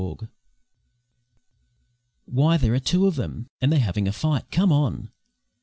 "RATS" "Why, there's two of them, and they're having a fight! Come on."'